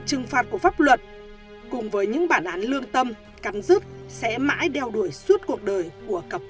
trừng phạt của pháp luật cùng với những bản án lương tâm cắn dứt sẽ mãi đeo đuổi suốt cuộc đời của cặp